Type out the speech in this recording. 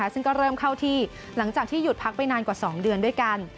ซึ่งก็เริ่มเข้าที่หลังจากที่หยุดพักไปนานกว่า๒เดือนด้วยกัน